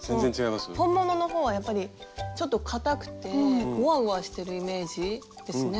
本物の方はやっぱりちょっとかたくてゴワゴワしてるイメージですね。